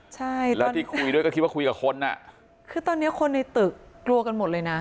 ใช่แล้วที่คุยด้วยก็คิดว่าคุยกับคนอ่ะคือตอนเนี้ยคนในตึกกลัวกันหมดเลยนะ